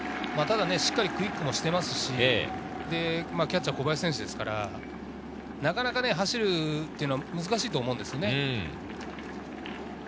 しっかりクイックをしていますし、キャッチャー・小林選手ですから、なかなか走るのは難しいと思うんですよね。